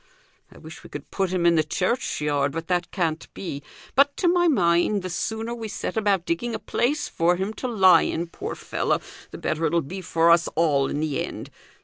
I wish we could put him i' the churchyard, but that can't be; but, to my mind, the sooner we set about digging a place for him to lie in, poor fellow, the better it'll be for us all in the end.